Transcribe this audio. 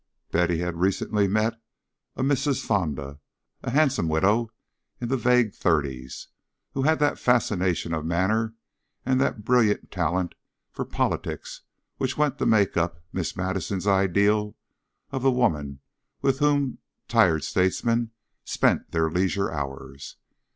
Betty had recently met a Mrs. Fonda, a handsome widow in the vague thirties, who had that fascination of manner and that brilliant talent for politics which went to make up Miss Madison's ideal of the women with whom tired statesmen spent their leisure hours.